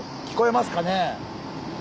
聞こえますかね？